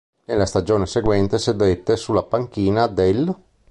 Nella stagione seguente sedette sulla panchina dell'.